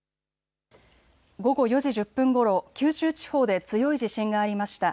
午後４時１０分ごろ、九州地方で強い地震がありました。